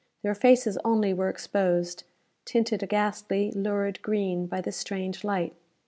Their faces only were exposed, tinted a ghastly, lurid green by this strange light.